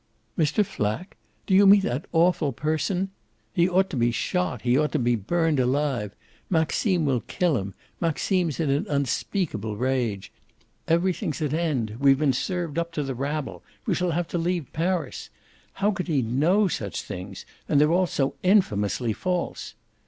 "Mr. Flack? do you mean that awful person ? He ought to be shot, he ought to be burnt alive. Maxime will kill him, Maxime's in an unspeakable rage. Everything's at end, we've been served up to the rabble, we shall have to leave Paris. How could he know such things? and they all so infamously false!"